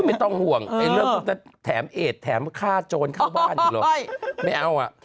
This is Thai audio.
ไม่ต้องห่วงแถมเอจแถมฆ่าโจรเข้าบ้านอยู่หรอกไม่เอาอะ